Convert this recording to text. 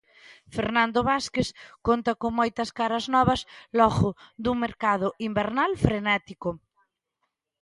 Fernando Vázquez conta con moitas caras novas logo dun mercado invernal frenético.